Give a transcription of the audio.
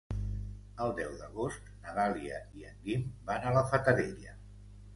El deu d'agost na Dàlia i en Guim van a la Fatarella.